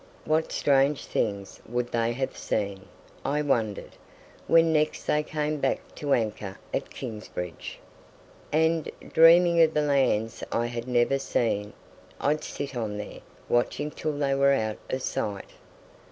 What strange things would they have seen, I wondered, when next they came back to anchor at Kingsbridge! And, dreaming of the lands I had never seen, I'd sit on there, watching till they were out of sight.